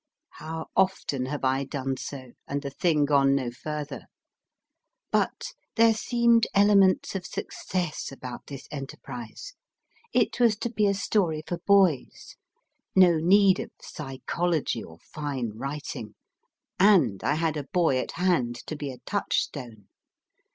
How often have I done so, and the thing gone no further ! But there seemed elements of success about this enterprise. It was to be a story for boys ; no need of psychology or fine writing ; and I had a boy at 302 MY FIRST BOOK hand to be a touchstone.